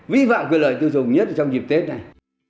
vĩ vọng quyền lợi tiêu dùng nhất trong dịp tết này